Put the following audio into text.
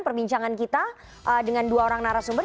perbincangan kita dengan dua orang narasumber